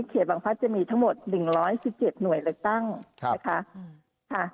เขตบางพัฒน์จะมีทั้งหมดหนึ่งร้อยสิบเจ็ดหน่วยเลือกตั้งครับค่ะค่ะ